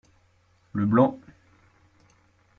Le blanc.